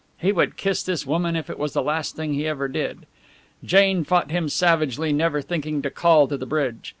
He would kiss this woman if it was the last thing he ever did! Jane fought him savagely, never thinking to call to the bridge.